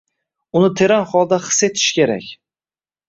Uni teran holda his etish kerak.